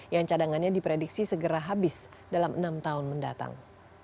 yang cadangannya diprediksi segera habis dalam enam tahun mendatang